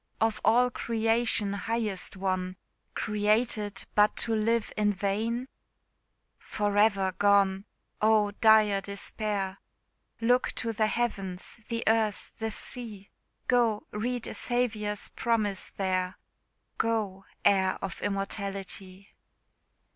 Of all creation, highest one, Created but to live in vain? For ever gone! oh, dire despair! Look to the heavens, the earth, the sea Go, read a Saviour's promise there Go, heir of Immortality!